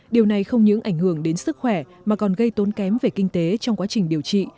điều này không những ảnh hưởng đến sức khỏe mà còn gây tốn kém về kinh tế trong quá trình điều trị